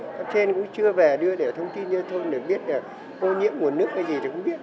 cấp trên cũng chưa về đưa để thông tin cho thôn để biết là ô nhiễm nguồn nước cái gì thì cũng biết